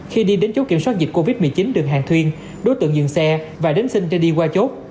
khi đi đến chốt kiểm soát dịch covid một mươi chín đường hàng thuyên đối tượng dừng xe và đến xin cho đi qua chốt